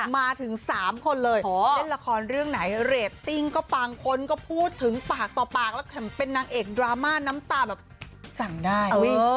มาถึง๓คนเลยเล่นละครเรื่องไหนเรตติ้งก็ปังคนก็พูดถึงปากต่อปากแล้วเป็นนางเอกดราม่าน้ำตาแบบสั่งได้